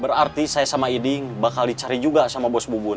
berarti saya sama iding bakal dicari juga sama bos bubun